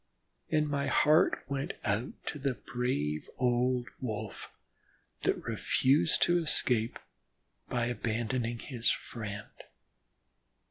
And my heart went out to the brave old Wolf that refused to escape by abandoning his friend.